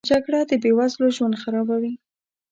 جګړه د بې وزلو ژوند خرابوي